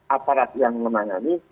aparat yang menangani